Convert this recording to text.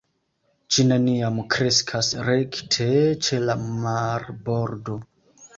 Ĝi neniam kreskas rekte ĉe la marbordo.